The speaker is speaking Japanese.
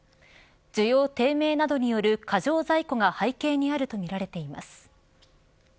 需要低迷などによる過剰在庫が背景にあるとみられています。